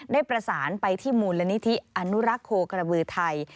ได้ประสานไปที่มูลนิธิอนุรักษ์โคกระบือไทย